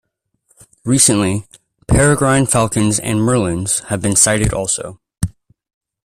Recently, peregrine falcons and merlins have been sighted also.